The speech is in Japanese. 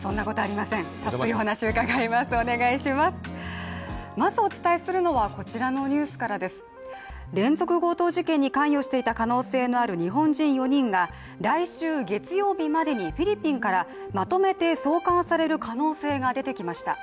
まずお伝えするのはこちらのニュースからです連続強盗事件に関与していた可能性のある日本人４人が来週月曜日までにフィリピンからまとめて送還される可能性が出てきました。